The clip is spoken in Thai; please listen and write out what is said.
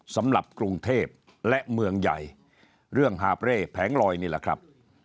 สำหรับกรุงเทพและเมืองใหญ่เรื่องหาบเร่แผงลอยนี่แหละครับ